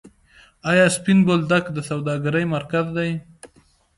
آیا سپین بولدک د سوداګرۍ مرکز دی؟